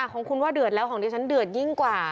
ของคุณว่าเดือดแล้วของดิฉันเดือดยิ่งกว่า